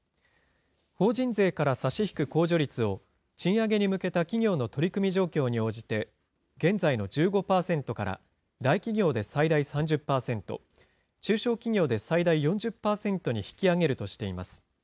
法人税から差し引く控除率を賃上げに向けた企業の取り組み状況に応じて、現在の１５％から、大企業で最大３０％、中小企業で最大４０％に引き上げるとしています。